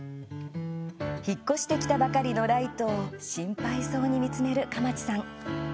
引っ越してきたばかりのライトを心配そうに見つめる蒲池さん。